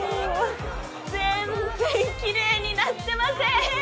全然きれいになってません